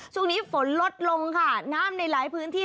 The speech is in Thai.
ช่วงนี้ฝนลดลงค่ะน้ำในหลายพื้นที่